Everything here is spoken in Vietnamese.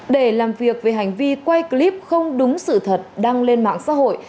để làm việc về hành vi quay clip không đúng sự thật đăng lên mạng xã hội